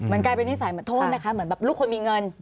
มันกลายเป็นนิสัยเหมือนโทษนะคะเหมือนแบบลูกคนมีเงิน